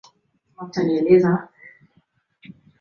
Nimemuona yule ninayemtafuta na neema zake.